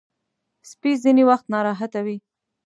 سپي ځینې وخت ناراحته وي.